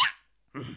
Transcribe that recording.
うん。